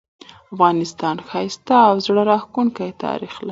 افغانستان ښایسته او زړه راښکونکې تاریخ لري